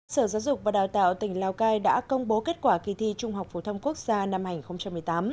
sở giáo dục và đào tạo tỉnh lào cai đã công bố kết quả kỳ thi trung học phổ thông quốc gia năm hai nghìn một mươi tám